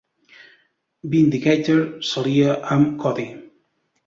Vindicator s'alia amb Cody.